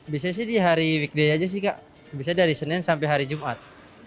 biasanya sih di hari weekday aja sih kak bisa dari senin sampai hari jumat